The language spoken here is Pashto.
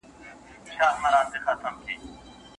بریالیو خلګو ډېري ستونزي حل کړې دي.